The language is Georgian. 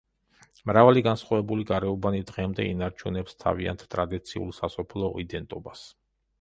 მრავალი განსხვავებული გარეუბანი დღემდე ინარჩუნებს თავიანთ ტრადიციულ სასოფლო იდენტობას.